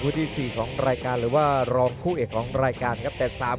๓คู่ที่ผ่านมานั้นการันตีถึงความสนุกดูดเดือดที่แฟนมวยนั้นสัมผัสได้ครับ